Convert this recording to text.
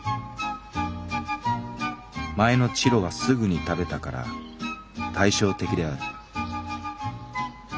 前のチロはすぐに食べたから対照的である」。